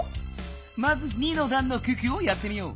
まず２のだんの九九をやってみよう。